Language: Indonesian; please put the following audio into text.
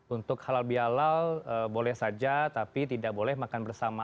untuk halal bihalal boleh saja tapi tidak boleh makan bersama